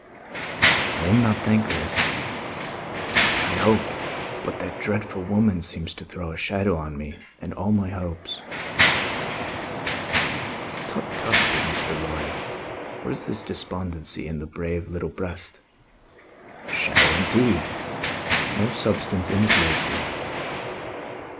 "I am not thankless, I hope, but that dreadful woman seems to throw a shadow on me and on all my hopes." "Tut, tut!" said Mr. Lorry; "what is this despondency in the brave little breast? A shadow indeed! No substance in it, Lucie."